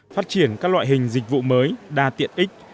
phát triển các loại hình dịch vụ mới đa tiện ích